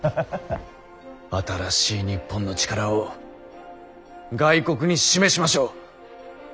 新しい日本の力を外国に示しましょう！